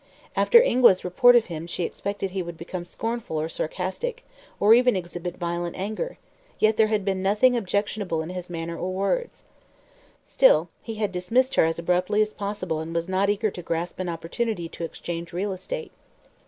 After Ingua's report of him she expected he would become scornful or sarcastic or even exhibit violent anger; yet there had been nothing objectionable in his manner or words. Still, he had dismissed her as abruptly as possible and was not eager to grasp an opportunity to exchange real estate.